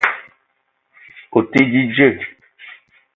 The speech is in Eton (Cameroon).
O te di dzeu